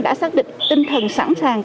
đã xác định tinh thần sẵn sàng